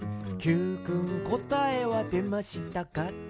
「Ｑくんこたえはでましたか？」